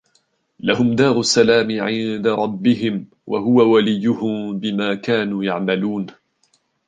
لهم دار السلام عند ربهم وهو وليهم بما كانوا يعملون